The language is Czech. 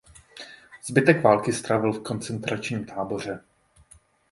Zbytek války strávil v koncentračním táboře.